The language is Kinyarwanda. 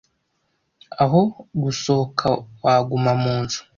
aho gusohoka waguma munzu